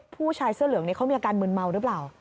ผู้ชายเสื้อเหลืองนี้เขามีอาการมืนเมาหรือเปล่า